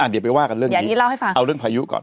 เดี๋ยวไปว่ากันเรื่อง๖๒สมบาลเอาเรื่องผายุก่อน